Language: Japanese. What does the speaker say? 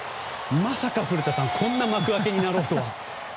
まさか、古田さんこんな幕開けになろうとは。